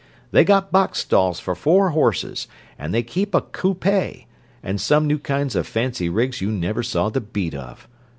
They got box stalls for four horses, and they keep a coupay, and some new kinds of fancy rigs you never saw the beat of!